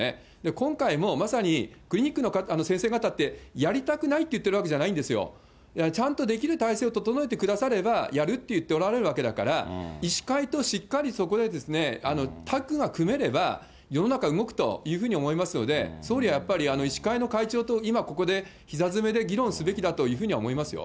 今回もまさに、クリニックの先生方って、やりたくないって言ってるわけじゃないんですよ、ちゃんとできる体制を整えてくださればやるって言っておられるわけだから、医師会としっかり、そこでタッグが組めれば、世の中動くというふうに思いますので、総理はやっぱり、医師会の会長と、今ここでひざ詰めで議論すべきだとは思いますよ。